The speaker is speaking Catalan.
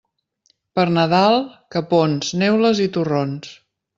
Per Nadal, capons, neules i torrons.